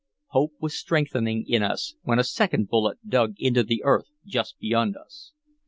Hope was strengthening in us, when a second bullet dug into the earth just beyond us.